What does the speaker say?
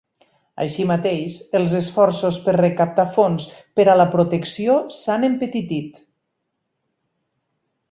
Així mateix, els esforços per recaptar fons per a la protecció s'han empetitit.